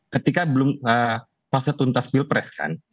ketika belum pasetuntas pilpres kan